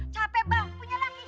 capek bang punya laki